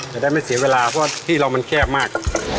จะได้ไม่เสียเวลาเพราะที่เรามันแคบมาก